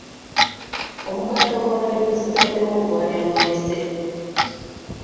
Omugaati ogwabadde gusigaddewo gwayonoonese.